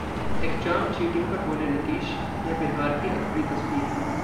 exam cheating पर बोले नीतीश- यह बिहार की अधूरी तस्वीर है